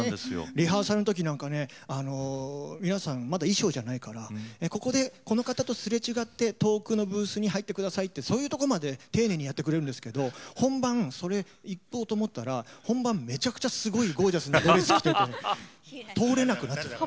リハーサルの時なんかね皆さんまだ衣装じゃないからここでこの方とすれ違って遠くのブースに入って下さいってそういうとこまで丁寧にやってくれるんですけど本番いこうと思ったら本番めちゃくちゃすごいゴージャスなドレス着てて通れなくなってた。